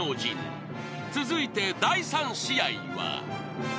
［続いて第３試合は］